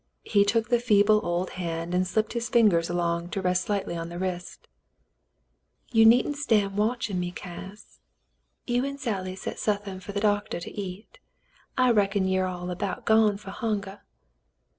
He took the feeble old hand and slipped his fingers along to rest lightly on the wrist. "You needn't stan' watchin' me, Cass. You 'n' Sally set suthin' fer th' doctah to eat. I reckon ye're all about gone fer hunger."